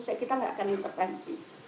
saya gak akan intervensi